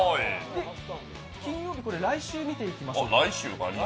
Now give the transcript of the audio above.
金曜日、来週見ていきましょう。